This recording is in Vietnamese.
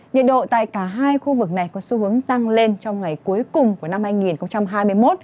nhiệt độ tại cả hai khu vực này có xu hướng tăng lên trong ngày cuối cùng của năm hai nghìn hai mươi một